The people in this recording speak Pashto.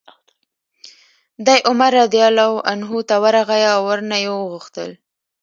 دی عمر رضي الله عنه ته ورغی او ورنه ویې غوښتل